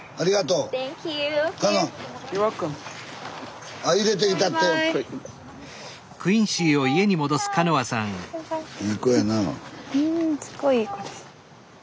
うんすごいいい子です。